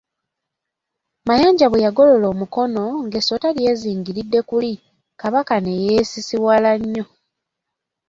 Mayanja bwe yagolola omukono ng'essota lyezingiridde kuli, Kabaka ne yeesisiwala nnyo.